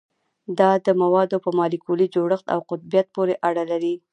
دا د موادو په مالیکولي جوړښت او قطبیت پورې اړه لري